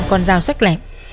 còn dao sắc lẹm